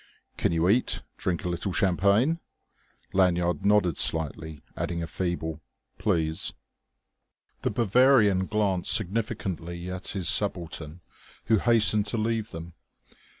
"Can you eat, drink a little champagne?" Lanyard nodded slightly, adding a feeble "Please." The Bavarian glanced significantly at his subaltern, who hastened to leave them.